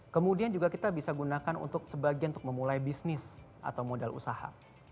kemudian juga kita bisa gunakan untuk sebagian untuk memulai bisnis atau modal usaha